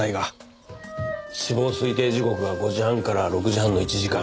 死亡推定時刻は５時半から６時半の１時間。